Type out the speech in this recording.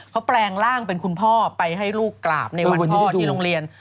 เขาแปลงร่างเป็นคุณพ่อไปให้ลูกกราบในวันพ่อที่โรงเรียน